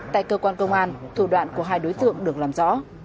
tại cơ quan công an thủ đoạn của hai đối tượng được làm rõ